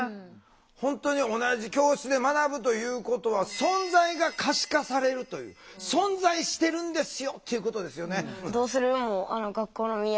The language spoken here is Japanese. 本当に同じ教室で学ぶということは存在が可視化されるという。存在してるんですよっていうことですよね。